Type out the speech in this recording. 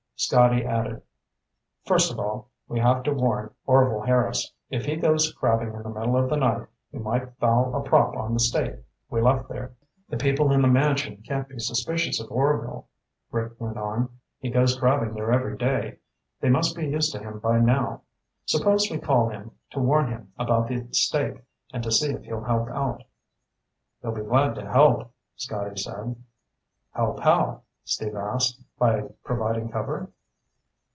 Scotty added, "First of all, we have to warn Orvil Harris. If he goes crabbing in the middle of the night, he might foul a prop on the stake we left there." "The people in the mansion can't be suspicious of Orvil," Rick went on. "He goes crabbing there every day. They must be used to him by now. Suppose we call him, to warn him about the stake, and to see if he'll help out." "He'll be glad to help," Scotty said. "Help how?" Steve asked. "By providing cover?"